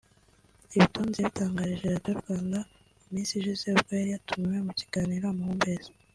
Ibi Tonzi yabitangarije Radiyo Rwanda mu minsi ishize ubwo yari yatumiwe mu kiganiro Amahumbezi